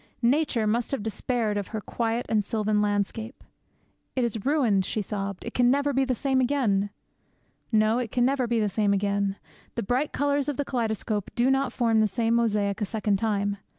Nature must have despaired of her quiet and sylvan landscape. 'It is ruined,' she sobbed; 'it can never be the same again!' No, it can never be the same again. The bright colours of the kaleidoscope do not form the same mosaic a second time.